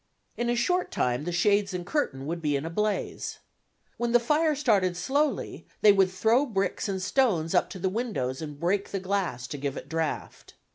In a short time the shades and curtain would be in a blaze. When the fire started slowly, they would throw bricks and stones up to the windows and break the glass to give it draught.